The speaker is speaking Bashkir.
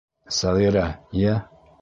Сәғирә, йә?